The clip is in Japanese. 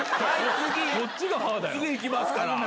次行きますから。